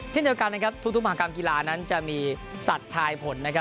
เช่นเช่นกันทุกมหากรามกีฬานั้นจะมีสัตว์ทายผล